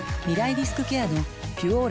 リスクケアの「ピュオーラ」